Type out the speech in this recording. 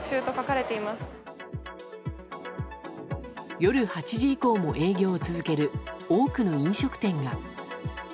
夜８時以降も営業を続ける多くの飲食店が。